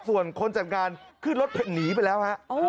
ส่วนคนจัดงานขึ้นรถหนีไปแล้วฮะ